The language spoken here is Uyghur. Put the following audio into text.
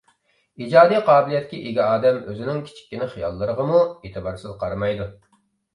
ئىجادىي قابىلىيەتكە ئىگە ئادەم ئۆزىنىڭ كىچىككىنە خىياللىرىغىمۇ ئېتىبارسىز قارىمايدۇ.